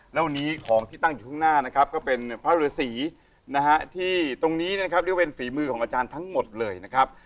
แล้ววันนี้ของที่ตั้งอยู่ข้างหน้านะครับก็เป็นพระฤษีนะฮะที่ตรงนี้นะครับเรียกว่าเป็นฝีมือของอาจารย์ทั้งหมดเลยนะครับ